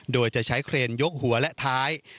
โดยจะใช้เครนยกหัวและท้าย